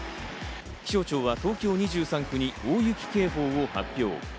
気象庁は東京２３区に大雪警報を発表。